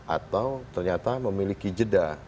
atau ternyata memiliki jeda